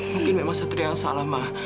mungkin memang satria yang salah mah